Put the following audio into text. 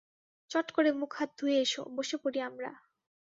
চট করে মুখহাত ধুয়ে এসো, বসে পড়ি আমরা।